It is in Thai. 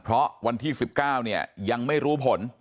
เพราะวันที่๑๙เนี่ยยังไม่รู้ผล